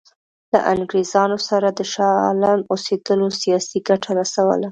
له انګرېزانو سره د شاه عالم اوسېدلو سیاسي ګټه رسوله.